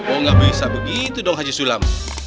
oh nggak bisa begitu dong haji sulam